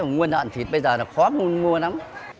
nguồn lợn thịt bây giờ khó mua lắm